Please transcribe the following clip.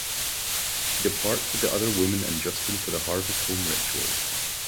She departs with the other women and Justin for the Harvest Home ritual.